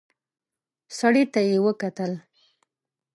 سړي ته يې وکتل.